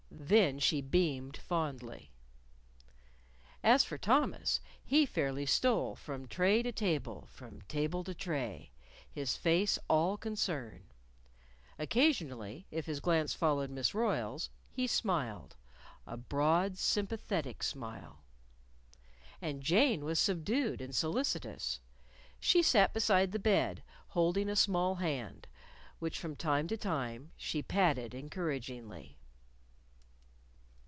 Then she beamed fondly. As for Thomas, he fairly stole from tray to table, from table to tray, his face all concern. Occasionally, if his glance followed Miss Royle's, he smiled a broad, sympathetic smile. And Jane was subdued and solicitous. She sat beside the bed, holding a small hand which from time to time she patted encouragingly.